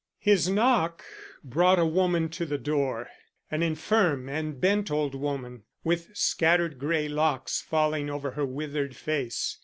His knock brought a woman to the door an infirm and bent old woman, with scattered grey locks falling over her withered face.